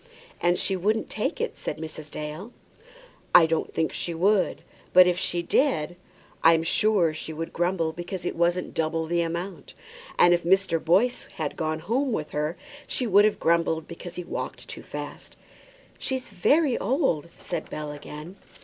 "And she wouldn't take it," said Mrs. Dale. "I don't think she would. But if she did, I'm sure she would grumble because it wasn't double the amount. And if Mr. Boyce had gone home with her, she would have grumbled because he walked too fast." "She is very old," said Bell, again.